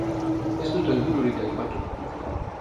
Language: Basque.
Ez dut helbururik aipatu.